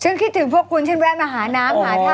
ฉันคิดถึงพวกคุณฉันแวะมาหาน้ำหาถ้าดึง